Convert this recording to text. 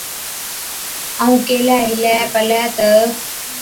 ائُون ڪيهَي هِلَي پلَي تہ،